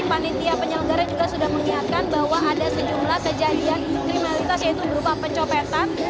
panitia penyelenggara juga sudah mengingatkan bahwa ada sejumlah kejadian kriminalitas yaitu berupa pencopetan